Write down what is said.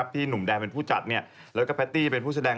ที่หนุ่มแดนเป็นผู้จัดและแพทตี้เป็นผู้แสดง